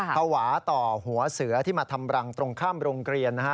ภาวะต่อหัวเสือที่มาทำรังตรงข้ามโรงเรียนนะฮะ